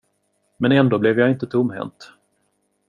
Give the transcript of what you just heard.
Men ändå blev jag inte tomhänt.